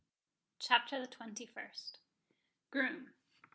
CHAPTER THE TWENTY FIRST. _Groom.